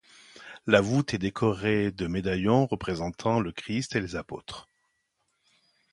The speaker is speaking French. La voûte est décorée de médaillons représentant le christ et les apôtres.